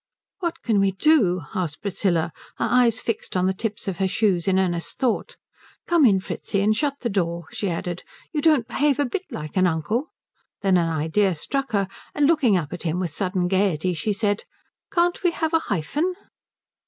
"What can we do?" asked Priscilla, her eyes fixed on the tips of her shoes in earnest thought. "Come in, Fritzi, and shut the door," she added. "You don't behave a bit like an uncle." Then an idea struck her, and looking up at him with sudden gaiety she said, "Can't we have a hyphen?"